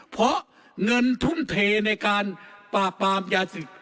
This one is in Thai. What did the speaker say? เพราะเงินทุ่มเทในการปราบปรามยาศึก